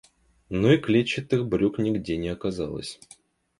Но и клетчатых брюк нигде не оказалось.